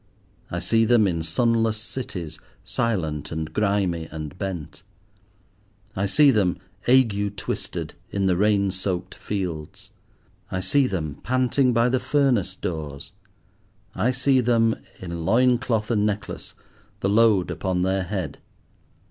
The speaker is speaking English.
I see them in sunless cities, silent, and grimy, and bent. I see them, ague twisted, in the rain soaked fields. I see them, panting by the furnace doors. I see them, in loin cloth and necklace, the load upon their head.